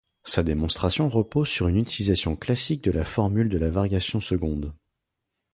Sa démonstration repose sur une utilisation classique de la formule de la variation seconde.